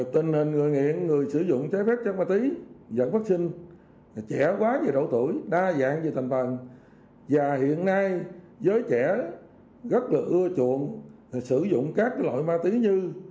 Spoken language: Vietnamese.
tình hình người nghiện người sử dụng trái phép chất ma túy dẫn vắc xin